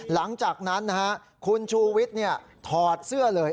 หลังจากนั้นคุณชูวิทย์ถอดเสื้อเลย